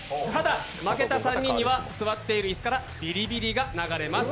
負けた３人には座っている椅子からビリビリが流れます。